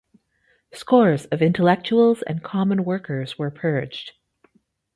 Scores of intellectuals and common workers were purged.